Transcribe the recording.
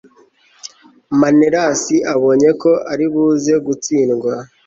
menelasi abonye ko ari buze gutsindwa